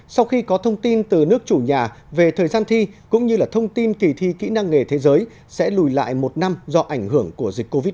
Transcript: sau khi có thông tin từ nước chủ nhà về thời gian thi cũng như thông tin kỳ thi kỹ năng nghề thế giới sẽ lùi lại một năm do ảnh hưởng của dịch covid một mươi chín